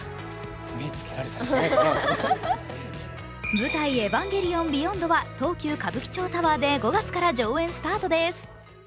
「舞台・エヴァンゲリオンビヨンド」は東急歌舞伎町タワーで５月から上演スタートです。